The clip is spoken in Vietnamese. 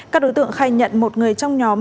các đối tượng khai nhận một người trong nhóm